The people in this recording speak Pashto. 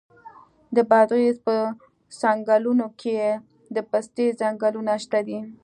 د بادغیس په څنګلونو کې د پستې ځنګلونه شته دي.